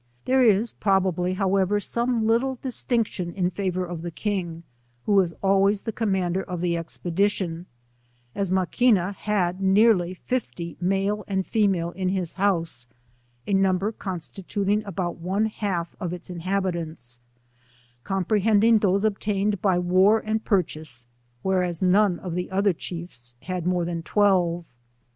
There is probably however some little distinction in favor of the king, who is always the commander of the expedition, as Ma <^uina had nearly fifty, male and female, in his house, a number constituting about one half of its inhabitants, comprehending those obtained by war and purchase, whereas none of the other chiefs had more than twelve.